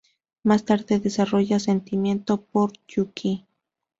Más tarde desarrolla sentimientos por Yūki.